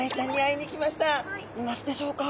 いますでしょうか？